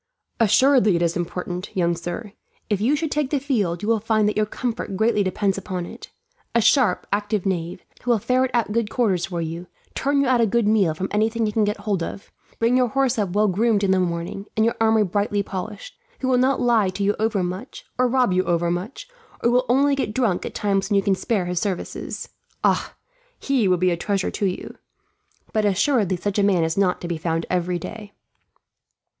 "Assuredly it is important, young sir. If you should take the field, you will find that your comfort greatly depends upon it. A sharp, active knave, who will ferret out good quarters for you, turn you out a good meal from anything he can get hold of, bring your horse up well groomed in the morning, and your armour brightly polished; who will not lie to you overmuch, or rob you overmuch, and who will only get drunk at times when you can spare his services. Ah! He would be a treasure to you. But assuredly such a man is not to be found every day."